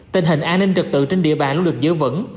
tình hình an ninh trật tự trên địa bàn luôn được giữ vững